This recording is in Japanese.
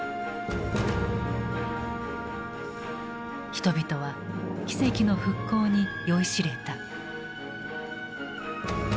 人々は奇跡の復興に酔いしれた。